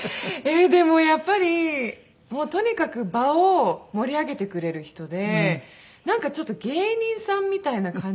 でもやっぱりもうとにかく場を盛り上げてくれる人でなんかちょっと芸人さんみたいな感じな。